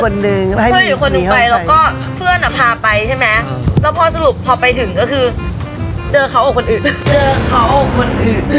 ก็คือพออยู่คนหนึ่งไปแล้วก็เพื่อนอะพาไปใช่ไหมแล้วพอสรุปพอไปถึงก็คือเจอเค้าออกคนอื่น